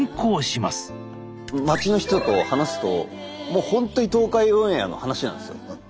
まちの人と話すともうほんとに東海オンエアの話なんですよ。